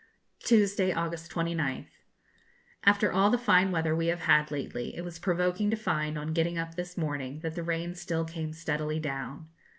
Tuesday, August 29th. After all the fine weather we have had lately, it was provoking to find, on getting up this morning, that the rain still came steadily down.